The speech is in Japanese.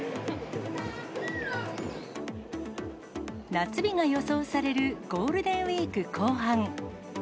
夏日が予想されるゴールデンウィーク後半。